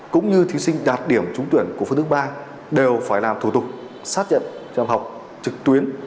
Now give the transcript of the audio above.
cũng như thí sinh đạt điểm trúng tuyển của phương thức ba đều phải làm thủ tục xác nhận học trực tuyến